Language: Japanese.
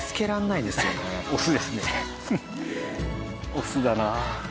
オスだなあ。